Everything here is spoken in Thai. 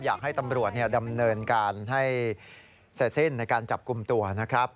อยากให้ตำรวจดำเนินการให้เสร็จสิ้นในการจับกลุ่มตัวนะครับ